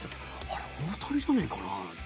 あれ、大谷じゃねえかななんて